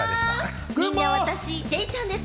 みんな、私、デイちゃんです！